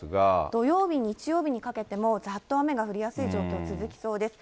土曜日、日曜日にかけてもざっと雨が降りやすい状況が続きそうです。